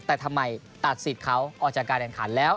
แต่ทำไมตัดสิทธิ์เขาออกจากการแข่งขันแล้ว